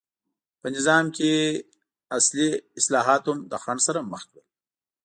په نظام کې احتلي اصلاحات هم له خنډ سره مخ کړل.